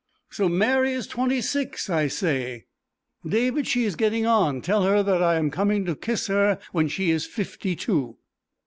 "So Mary is twenty six! I say, David, she is getting on. Tell her that I am coming in to kiss her when she is fifty two."